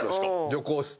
旅行です。